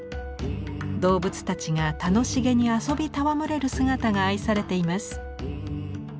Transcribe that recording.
動物たちが楽しげに遊び戯れる姿が愛されています。